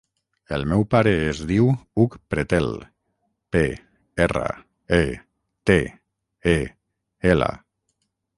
El meu pare es diu Hug Pretel: pe, erra, e, te, e, ela.